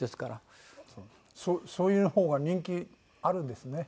そういう方が人気あるんですね。